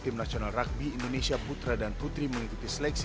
menyambut asian games dua ribu delapan belas